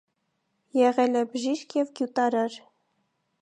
Եղել է բժիշկ և գյուտարար։